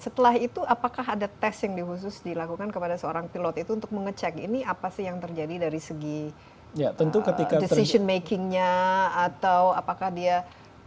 setelah itu apakah ada tes yang di khusus dilakukan kepada seorang pilot itu untuk mengecek ini apa sih yang terjadi dari segi decision makingnya atau apakah dia